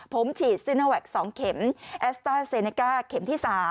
ผมฉีดซีโนแวค๒เข็มแอสต้าเซเนก้าเข็มที่๓